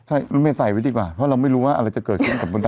ใช่รถเมย์ใส่ไว้ดีกว่าเพราะเราไม่รู้ว่าอะไรจะเกิดขึ้นกับบันไ